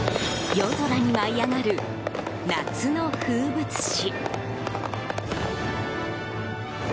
夜空に舞い上がる夏の風物詩。